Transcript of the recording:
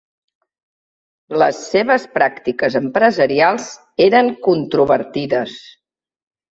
Les seves pràctiques empresarials eren controvertides.